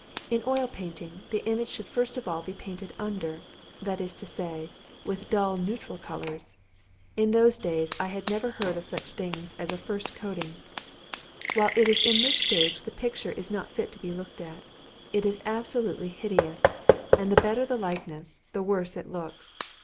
In oil painting, the image should first of all be painted under, that is to say, with dull neutral colours. In those days I had never heard of such a thing as a first coating; while it is in this stage the picture is not fit to be looked at. It is absolutely hideous, and the better the likeness, the worse it looks.